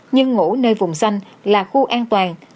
nhưng ngủ nơi vùng xanh là khu an toàn